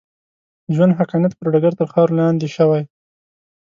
د ژوند حقانیت پر ډګر تر خاورو لاندې شوې.